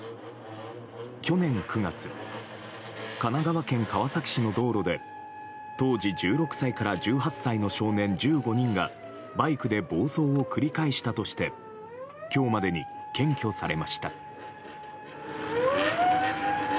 去年９月神奈川県川崎市の道路で当時１６歳から１８歳の少年１５人がバイクで暴走を繰り返したとして今日までに検挙されました。